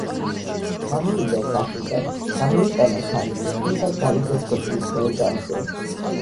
გამოვიდა სახლიდან, გამოიტანა თან წიგნი და გავიდა სოფლის მოედანზე